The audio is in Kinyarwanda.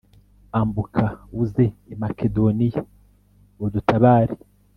Ambuka uze i Makedoniya udutabare